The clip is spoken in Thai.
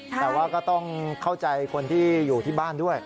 แต่ว่าก็ต้องเข้าใจคนที่อยู่ที่บ้านด้วย